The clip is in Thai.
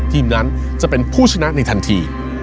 ทีมนั้นจะเป็นผู้ชนะในทันที